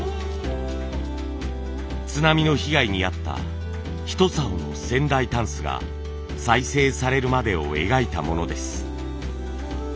津波の被害に遭った一棹の仙台箪笥が再生されるまでを描いたものです。